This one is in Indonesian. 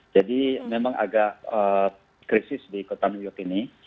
jadi memang agak krisis di kota new york ini